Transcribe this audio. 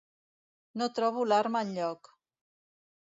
No trobo l'arma enlloc.